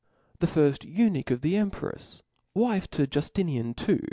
The firft eunuch of the emprefs, wife to Juftinian II.